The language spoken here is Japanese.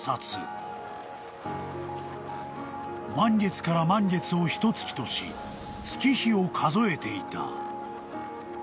［満月から満月をひと月とし月日を数えていた］